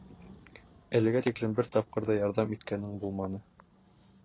Әлегә тиклем бер тапҡыр ҙа ярҙам иткәнең булманы.